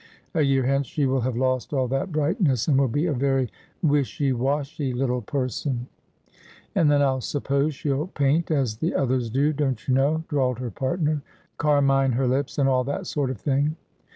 A year hence she will have lost all that brightness, and will be a very wishy wa/^hy little person.' ' And then I suppose she'll paint, as tlie others do, don't you 222 Asphodel. know,' drawled her partner ;' carmine her lips, and all that sort of thing.'